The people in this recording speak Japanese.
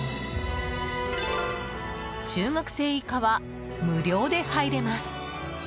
中学生以下は、無料で入れます。